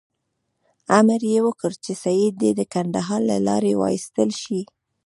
امر یې وکړ چې سید دې د کندهار له لارې وایستل شي.